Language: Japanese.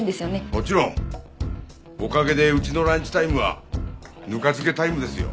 もちろん！おかげでうちのランチタイムはぬか漬けタイムですよ。